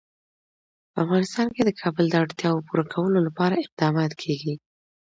په افغانستان کې د کابل د اړتیاوو پوره کولو لپاره اقدامات کېږي.